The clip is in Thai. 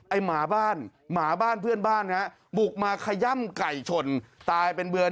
หมาบ้านหมาบ้านเพื่อนบ้านฮะบุกมาขย่ำไก่ชนตายเป็นเบือน